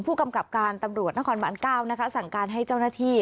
ผู้กำกับการตำรวจนครบาน๙นะคะสั่งการให้เจ้าหน้าที่